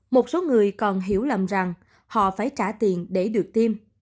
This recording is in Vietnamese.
một số người còn hiểu lầm rằng họ phải trả tiền để được tiêm